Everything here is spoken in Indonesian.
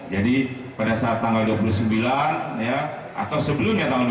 jadi pada saat tanggal dua puluh sembilan ya atau sebelumnya tanggal dua puluh sembilan